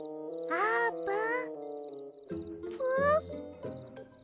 あーぷん。